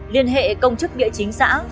liên hệ công chức địa chính xã